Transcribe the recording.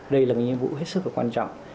đây là nhiệm vụ hết sức và quan trọng